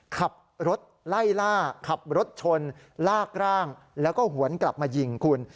ขับรถไล่ล่าขับรถชนลากร่างแล้วก็หวนกลับมายิงคุณ